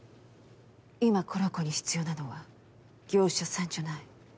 今この子に必要なのは業者さんじゃない。